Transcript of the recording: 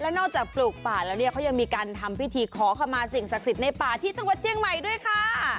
นอกจากปลูกป่าแล้วเนี่ยเขายังมีการทำพิธีขอขมาสิ่งศักดิ์สิทธิ์ในป่าที่จังหวัดเชียงใหม่ด้วยค่ะ